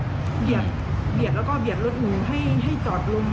เบียดแล้วก็เบียดรถหนูให้จอดลง